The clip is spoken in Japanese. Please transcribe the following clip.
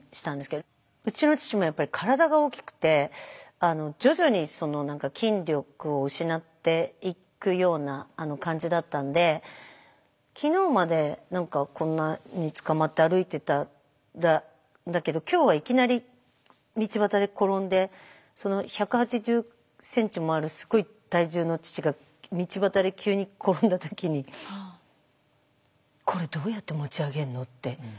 うちの父もやっぱり体が大きくて徐々に筋力を失っていくような感じだったんで昨日まで何かこんなつかまって歩いてたんだけど今日はいきなり道端で転んで１８０センチもあるすごい体重の父が道端で急に転んだ時にこれどうやって持ち上げるのって。